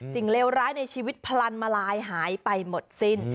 เลวร้ายในชีวิตพลันมาลายหายไปหมดสิ้น